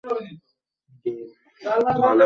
এটা হলিউডের জন্য ফান্ড সংগ্রাহক হিসেবে কাজ করে।